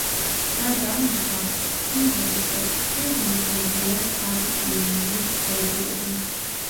გარდა ამისა, სიმღერის ტექსტში გამოყენებულია კარლ იუნგის თეორიები.